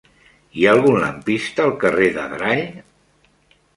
Hi ha algun lampista al carrer d'Adrall?